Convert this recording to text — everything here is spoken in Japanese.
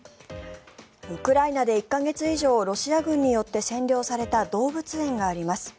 ウクライナで１か月以上ロシア軍によって占領された動物園があります。